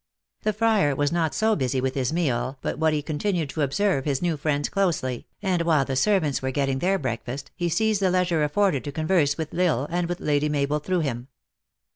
The friar was not so busy with his meal but what he 150 THE ACTRESS IN HIGH LIFE. continued to observe his new friends closely, and while the servants were getting their breakfast, he seized the leisure afforded to converse with L Isle, and with Lady Mabel through him.